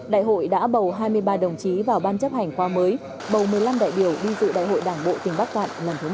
đại hội đã bầu hai mươi ba đồng chí vào ban chấp hành khoa mới bầu một mươi năm đại biểu đi dự đại hội đảng bộ tỉnh bắc cạn lần thứ một mươi năm